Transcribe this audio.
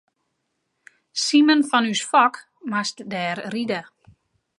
Simen fan ús Fok moast dêr ride.